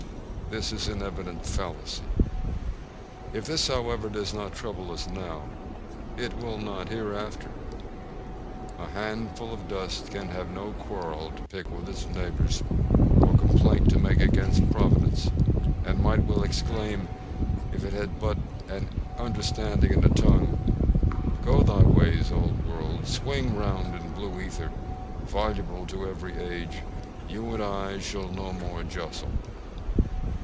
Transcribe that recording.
This is an evident fallacy. If this, however, does not trouble us now, it will not hereafter. A handful of dust can have no quarrel to pick with its neighbours, or complaint to make against Providence, and might well exclaim, if it had but an understanding and a tongue, 'Go thy ways, old world, swing round in blue ether, voluble to every age, you and I shall no more jostle!'